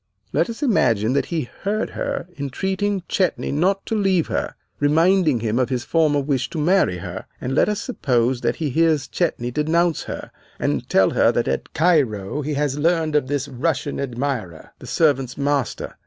Let us imagine that he heard her entreating Chetney not to leave her, reminding him of his former wish to marry her, and let us suppose that he hears Chetney denounce her, and tell her that at Cairo he has learned of this Russian admirer the servant's master.